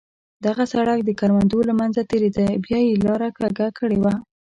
دغه سړک د کروندو له منځه تېرېده، بیا یې لاره کږه کړې وه.